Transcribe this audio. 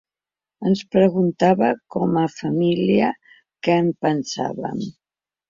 Ens preguntava com a família què en pensàvem.